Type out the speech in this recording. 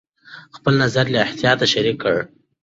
خپل نظر له احتیاطه شریک کړه.